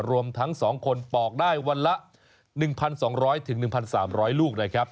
รวมทั้ง๒คนปอกได้วันละ๑๒๐๐๑๓๐๐ลูกนะครับ